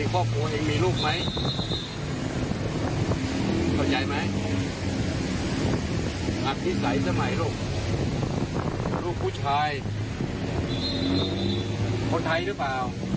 ผู้ชายคนไทยหรือเปล่า